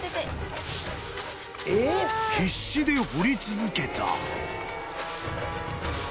［必死で掘り続けた］